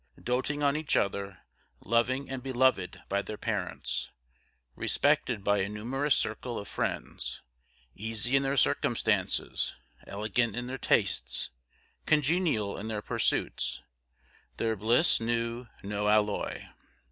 Doting on each other, loving and beloved by their parents, respected by a numerous circle of friends, easy in their circumstances, elegant in their tastes, congenial in their pursuits, their bliss knew no alloy.